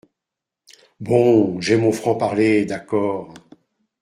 Bon, j’ai mon franc-parler, d’accord.